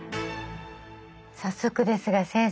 早速ですが先生。